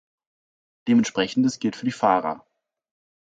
Dementsprechendes gilt für die Fahrer.